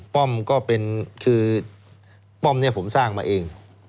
ป้อมก็เป็นคือป้อมเนี่ยผมสร้างมาเอง